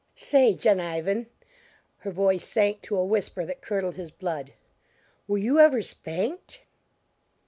"Say, Jo'nivan," her voice sank to a whisper that curdled his blood "were you ever spanked?"